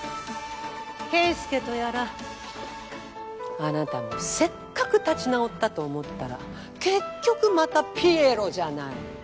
ケイスケとやらあなたもせっかく立ち直ったと思ったら結局またピエロじゃない。